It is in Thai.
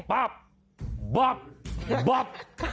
บ๊าบบ๊าบบ๊าบ